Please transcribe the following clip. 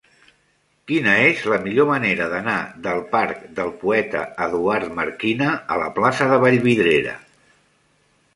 Quina és la millor manera d'anar del parc del Poeta Eduard Marquina a la plaça de Vallvidrera?